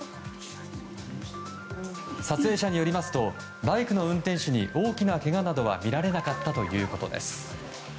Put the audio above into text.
撮影者によりますとバイクの運転手に大きなけがなどは見られなかったということです。